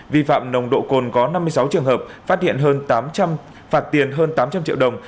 vi phạm nồng độ cồn có năm mươi sáu trường hợp phạt tiền hơn tám trăm linh triệu đồng